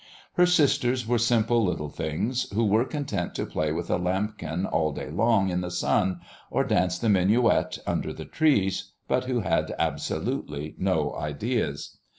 Her sisters were simple little things, who were content to play with a lambkin all day long in the sun, or dance the minuet under the trees, but who had absolutely no ideas.